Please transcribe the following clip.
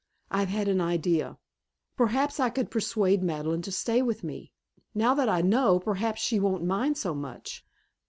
I've had an idea. Perhaps I could persuade Madeleine to stay with me. Now that I know, perhaps she won't mind so much.